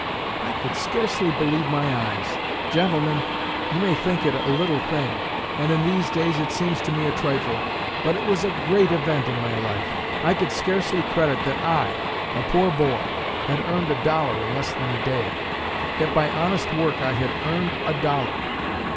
I could scarcely believe my eyes. Gentlemen, you may think it a little thing, and in these days it seems to me a trifle; but it was a great event in my life. I could scarcely credit that I, a poor boy, had earned a dollar in less than a day, that by honest work I had earned a dollar.